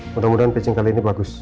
mudah mudahan beaching kali ini bagus